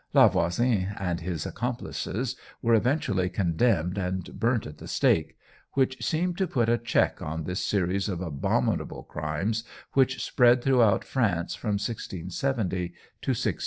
La Voisin and his accomplices were eventually condemned and burnt at the stake, which seemed to put a check on this series of abominable crimes which spread throughout France from 1670 to 1680.